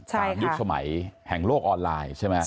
ตามยุคสมัยแห่งโลกออนไลน์ใช่ไหม